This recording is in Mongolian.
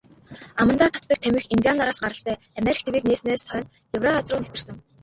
Амандаа татдаг тамхи индиан нараас гаралтай, Америк тивийг нээснээс хойно Еврази руу нэвтэрсэн.